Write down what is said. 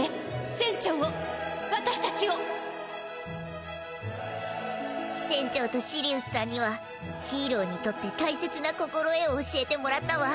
船長を私たちを船長とシリウスさんにはヒーローにとって大切な心得を教えてもらったわ。